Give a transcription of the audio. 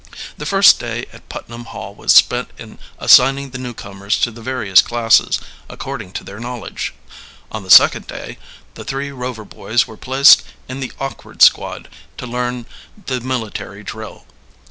The first day at Putnam Hall was spent in assigning the newcomers to the various classes, according to their knowledge. On the second day the three Rover boys were placed in the awkward squad, to learn the military drill.